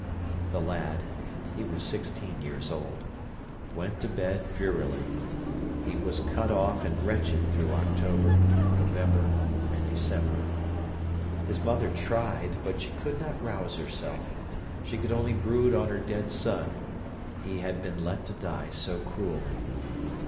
The lad—he was sixteen years old—went to bed drearily. He was cut off and wretched through October, November and December. His mother tried, but she could not rouse herself. She could only brood on her dead son; he had been let to die so cruelly.